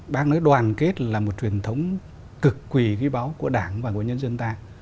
bác nói đoàn kết là một truyền thống cực quỳ ghi báo của đảng và của nhân dân ta